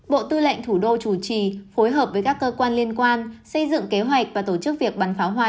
bộ tư lệnh thủ đô chủ trì phối hợp với các cơ quan liên quan xây dựng kế hoạch và tổ chức việc bắn pháo hoa